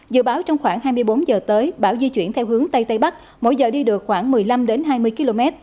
dự báo trong khoảng hai mươi bốn giờ tới bão di chuyển theo hướng tây tây bắc mỗi giờ đi được khoảng một mươi năm hai mươi km